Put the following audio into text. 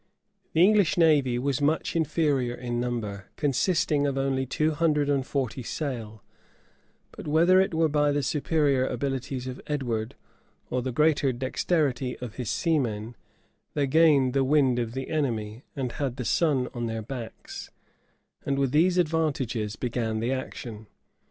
The English navy was much inferior in number, consisting only of two hundred and forty sail; but whether it were by the superior abilities of Edward, or the greater dexterity of his seamen, they gained the wind of the enemy, and had the sun in their backs: and with these advantages began the action.